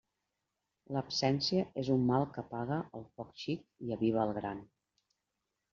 L'absència és un mal que apaga el foc xic i aviva el gran.